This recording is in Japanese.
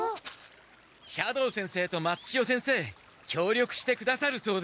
斜堂先生と松千代先生協力してくださるそうです。